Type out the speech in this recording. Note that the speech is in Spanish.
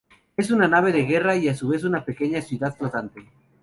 Es una nave de guerra y a su vez una pequeña ciudad flotante.